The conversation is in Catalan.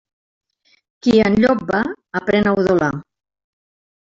Qui amb llop va, aprén a udolar.